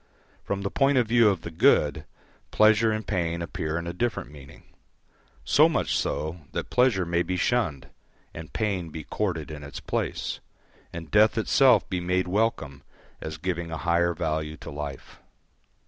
From the point of view of the good, pleasure and pain appear in a different meaning; so much so, that pleasure may be shunned, and pain be courted in its place, and death itself be made welcome as giving a higher value to life.